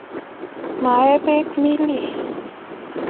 Maee beek Millie